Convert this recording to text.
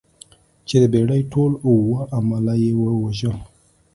چې د بېړۍ ټول اووه عمله یې ووژل.